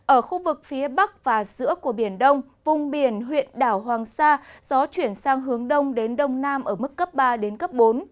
ở khu vực phía bắc và giữa của biển đông vùng biển huyện đảo hoàng sa gió chuyển sang hướng đông đến đông nam ở mức cấp ba đến cấp bốn